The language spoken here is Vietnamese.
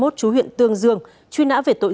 trú huyện tương dương truy nã về tội